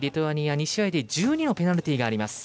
２試合で１２のペナルティーがあります。